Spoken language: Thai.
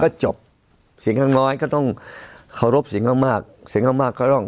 ก็จบเสียงข้างน้อยก็ต้องเคารพเสียงข้างมากเสียงข้างมากก็ต้อง